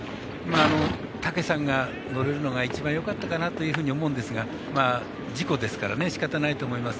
武さんが乗れるのが一番よかったかなというふうに思うんですが事故ですからしかたないと思います。